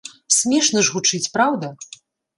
Смешна ж гучыць, праўда?